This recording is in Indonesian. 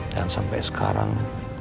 dan sampai sekarang